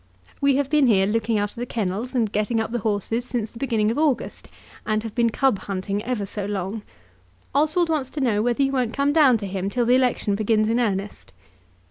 We have been here looking after the kennels and getting up the horses since the beginning of August, and have been cub hunting ever so long. Oswald wants to know whether you won't come down to him till the election begins in earnest.